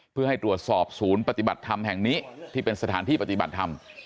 เพื่อให้ตรวจสอบศูนย์ปฏิบัติธรรมแห่งนี้ที่เป็นสถานที่ปฏิบัติธรรม